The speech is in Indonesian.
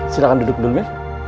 silahkan duduk dulu ya